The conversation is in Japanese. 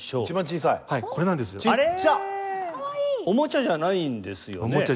おもちゃじゃないんですよね？